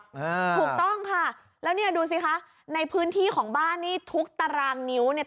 อ่าถูกต้องค่ะแล้วเนี่ยดูสิคะในพื้นที่ของบ้านนี่ทุกตารางนิ้วเนี่ย